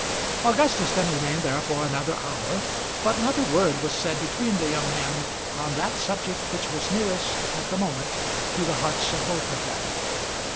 Augustus then remained there for another hour, but not a word was said between the young men on that subject which was nearest, at the moment, to the hearts of both of them.